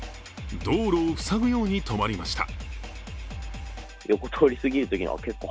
道路を塞ぐように止まりました。